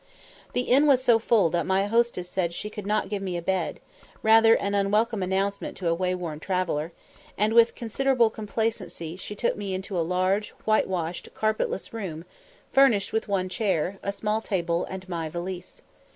The inn was so full that my hostess said she could not give me a bed rather an unwelcome announcement to a wayworn traveller and with considerable complacency she took me into a large, whitewashed, carpetless room, furnished with one chair, a small table, and my valise.